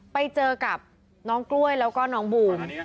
ไปเจอกับน้องกล้วยแล้วก็น้องบูม